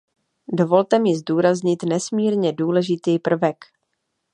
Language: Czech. Dovolte mi zdůraznit nesmírně důležitý prvek.